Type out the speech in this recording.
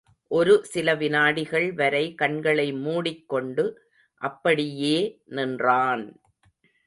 ஒரு சில வினாடிகள் வரை கண்களை மூடிக்கொண்டு அப்படியே நின்றான்!